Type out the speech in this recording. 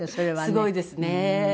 すごいですね。